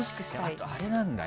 あと、あれなんだ。